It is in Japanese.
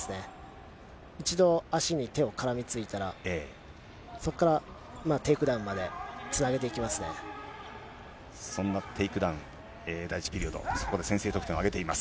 一度足に手を絡みついたら、そこからテイクダウンまでつなげそんなテイクダウン、第１ピリオド、そこで先制得点を挙げています。